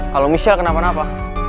kalau misalnya kenapa napa